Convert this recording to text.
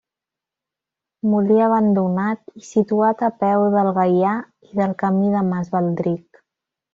Molí abandonat i situat a peu del Gaià i del camí de Mas Baldric.